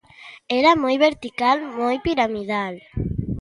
Era moi vertical, moi piramidal.